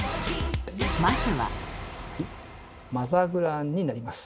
「マザグラン」になります。